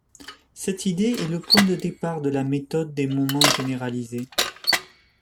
Cette idée est le point de départ de la méthode des moments généralisée.